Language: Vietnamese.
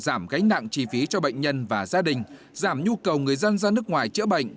giảm gánh nặng chi phí cho bệnh nhân và gia đình giảm nhu cầu người dân ra nước ngoài chữa bệnh